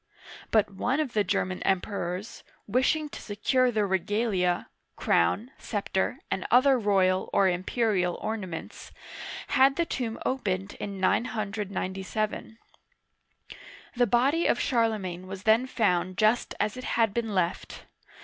But one of the German Emperors, wishing to secure the regalia (crown, scepter, and other royal or imperial ornaments), had the tomb opened in 997. The body of Charlemagne was then found just as it had been left.